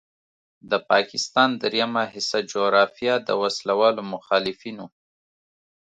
د پاکستان دریمه حصه جغرافیه د وسلوالو مخالفینو